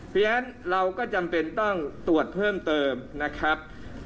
เพราะฉะนั้นเราก็จำเป็นต้องตรวจเพิ่มเติมนะครับ